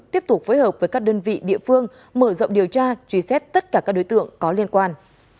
tiếp tục phối hợp với các đơn vị địa phương mở rộng điều tra truy xét tất cả các đối tượng có liên quan